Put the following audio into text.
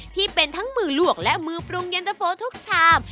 ที่เป็นทั้งมือลวกและมือปรุงเย็นตะโฟทุกชาม